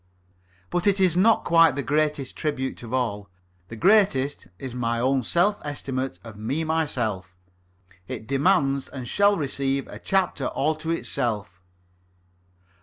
But it is not quite the greatest tribute of all. The greatest is my own self estimate of me myself. It demands and shall receive a chapter all to itself.